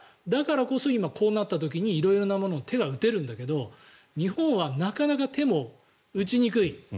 だからこそ、今こうなった時に色々なものに手が打てるんだけど日本はなかなか手も打ちにくい。